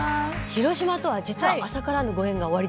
広島とは実は浅からぬご縁がおありだとか。